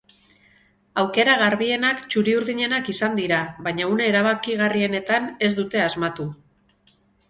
Aukera garbienak txuri-urdinenak izan dira, baina une erabakigarrienetan ez dute asmatu.